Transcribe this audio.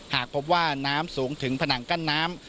หากพบว่าน้ำสูงถึงผนังกั้นน้ำ